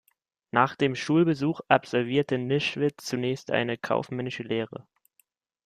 Nach dem Schulbesuch absolvierte Nischwitz zunächst eine kaufmännische Lehre.